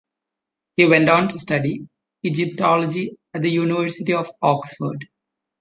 He went on to study Egyptology at the University of Oxford.